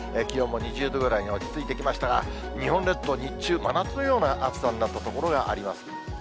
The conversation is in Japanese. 気温も２０度ぐらいに落ち着いてきましたが、日本列島、日中、真夏のような暑さになった所があります。